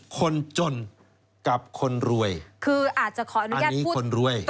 คนจนกับคนรวยคืออาจจะขออนุญาตมีคนรวย